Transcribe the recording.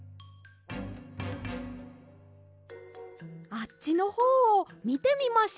あっちのほうをみてみましょうか？